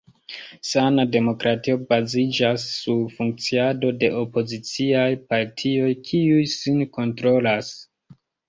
Sana demokratio baziĝas sur funkciado de opoziciaj partioj, kiuj sin kontrolas.